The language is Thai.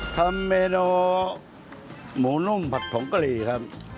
ทำเมนูหมูนุ่มผัดผงกะหรี่ครับ